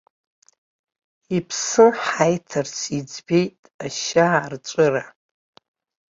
Иԥсы ҳаиҭарц иӡбеит ашьаарҵәыра.